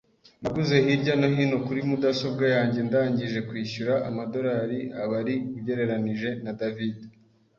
Naguze hirya no hino kuri mudasobwa yanjye ndangije kwishyura amadorari abari ugereranije na David.